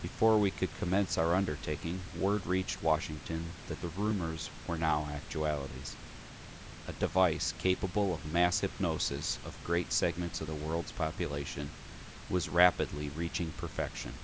Before we could commence our undertaking, word reached Washington that the rumors were now actualities. A device capable of the mass hypnosis of great segments of the world's population was rapidly reaching perfection.